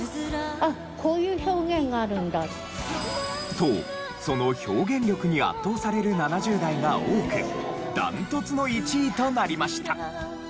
とその表現力に圧倒される７０代が多く断トツの１位となりました。